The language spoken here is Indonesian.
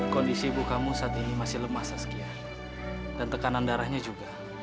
kondisi ibu kamu saat ini masih lemah saskia dan tekanan darahnya juga